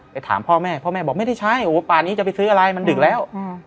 ถามพ่อแม่พ่อแม่บอกไม่ได้ใช้โอ้โหป่านี้จะไปซื้ออะไรมันดึกแล้ว